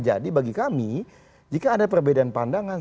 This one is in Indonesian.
jadi bagi kami jika ada perbedaan pandangan